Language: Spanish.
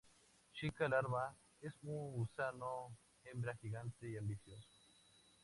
Chica Larva: Es un gusano hembra gigante y ambicioso.